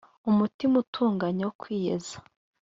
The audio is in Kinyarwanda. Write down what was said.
umutima utunganye wo kwiyeza